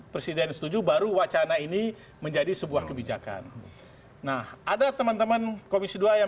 presiden setuju baru wacana ini menjadi sebuah kebijakan nah ada teman teman komisi dua yang